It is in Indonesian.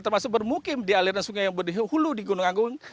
termasuk bermukim di aliran sungai yang berhulu di gunung agung